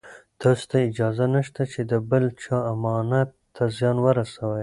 تاسو ته اجازه نشته چې د بل چا امانت ته زیان ورسوئ.